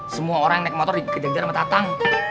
semua orang yang naik motor dikejar kejar sama tatang